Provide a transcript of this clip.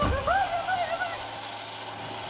やばい、やばい！